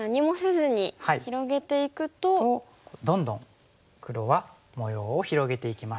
どんどん黒は模様を広げていきます。